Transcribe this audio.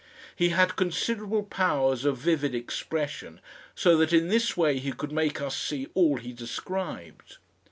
He had considerable powers of vivid expression, so that in this way he could make us see all he described.